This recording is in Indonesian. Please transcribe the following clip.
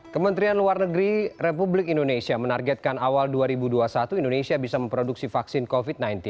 kementerian luar negeri republik indonesia menargetkan awal dua ribu dua puluh satu indonesia bisa memproduksi vaksin covid sembilan belas